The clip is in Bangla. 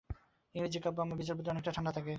ইংরেজি কাব্যে আমার বিচারবুদ্ধি অনেকটা ঠাণ্ডা থাকে।